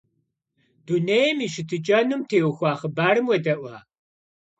Dunêym yi şıtıç'enum têuxua xhıbarım vuêde'ua?